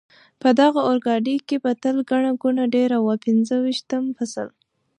په دغه اورګاډي کې به تل ګڼه ګوڼه ډېره وه، پنځه ویشتم فصل.